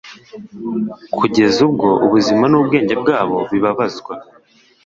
kugeza ubwo ubuzima n’ubwenge bwabo bibabazwa